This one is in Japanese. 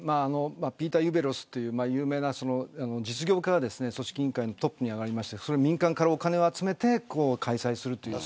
ピーター・ユベロスという有名な実業家が組織委員会のトップに上がりまして民間から、お金を集めて開催するという。